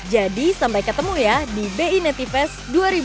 jadi sampai ketemu ya di bi natifest dua ribu dua puluh